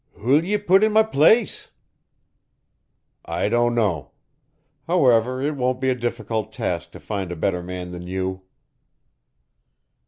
"Who will ye pit in ma place?" "I don't know. However, it won't be a difficult task to find a better man than you."